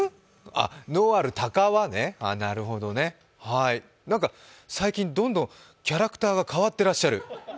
あ、能ある鷹は、ね。最近、どんどんキャラクターが変わってらっしゃる。